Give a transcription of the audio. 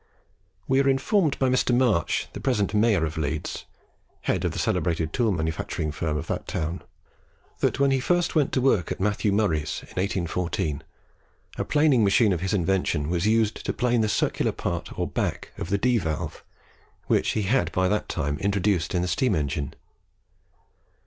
We are informed by Mr. March, the present mayor of Leeds, head of the celebrated tool manufacturing firm of that town, that when he first went to work at Matthew Murray's, in 1814, a planing machine of his invention was used to plane the circular part or back of the D valve, which he had by that time introduced in the steam engine.